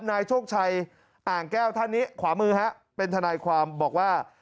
นายโชคชัยอ่างแก้วท่านนี้ขวามือฮะเป็นทนายความบอกว่า